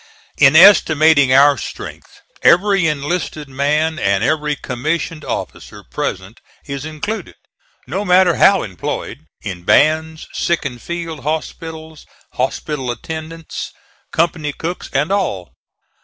* In estimating our strength every enlisted man and every commissioned officer present is included, no matter how employed; in bands, sick in field hospitals, hospital attendants, company cooks and all.